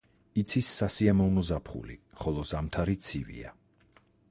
იცის სასიამოვნო ზაფხული, ხოლო ზამთარი ცივია.